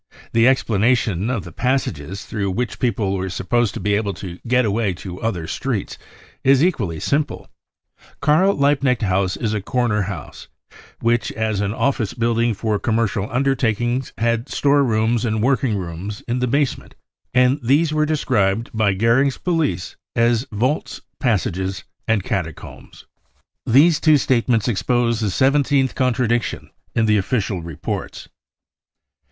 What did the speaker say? The \ explanation of the passages through which people were f supposed to be able to get away to other streets is equally f simple. Karl Liebknecht House is a corner house, which, j as an office building for commercial undertakings had I store rooms and working rooms in the basement, and ' these were described by Gocring's police as vaults, passages and catacombs." f These two statements expose the seventeenth' contra diction in the official reports.